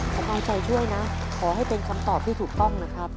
ผมเอาใจช่วยนะขอให้เป็นคำตอบที่ถูกต้องนะครับ